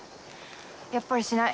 やっぱりしない。